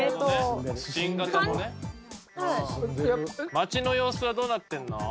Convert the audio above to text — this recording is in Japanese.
街の様子はどうなってるの？